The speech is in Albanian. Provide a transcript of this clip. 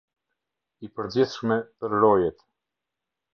I përgjithshme për Rojet.